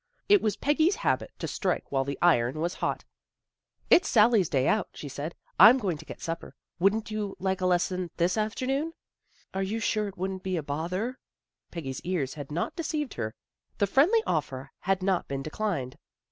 It was Peggy's habit to strike while the iron was hot. " It's Sally's day out," she said. " I'm going to get supper. Wouldn't you like a lesson this afternoon? "" Are you sure it wouldn't be a bother? " Peggy's ears had. not deceived her. The friendly offer had not been declined.